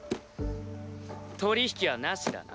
取り引きはなしだな。